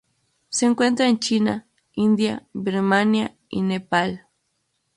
Se encuentra en China, India, Birmania, y Nepal.